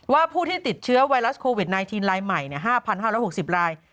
ผู้ที่ติดเชื้อไวรัสโควิด๑๙รายใหม่๕๕๖๐ราย